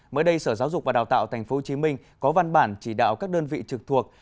mới đây sở giáo dục và đào tạo tp hcm có văn bản chỉ đạo các đơn vị trực thuộc